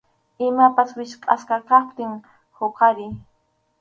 Imapas wichqʼasqa kaptin huqariy.